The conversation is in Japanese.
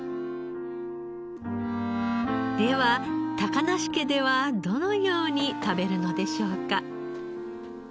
では梨家ではどのように食べるのでしょうか。